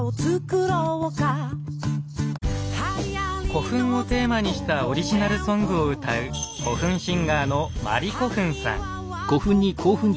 古墳をテーマにしたオリジナルソングを歌う古墳シンガーのまりこふんさん。